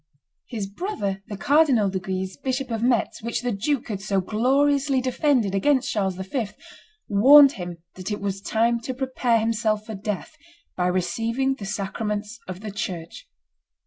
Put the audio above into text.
His brother, the Cardinal de Guise, Bishop of Metz, which the duke had so gloriously defended against Charles V., warned him that it was time to prepare himself for death by receiving the sacraments of the church.